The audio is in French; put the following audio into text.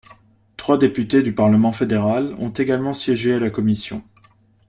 Trois députés du parlement fédéral ont également siégé à la Commission.